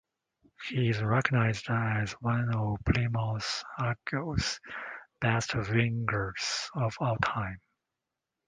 He is recognised as one of Plymouth Argyle's best wingers of all time.